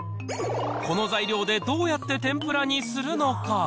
この材料でどうやって天ぷらにするのか。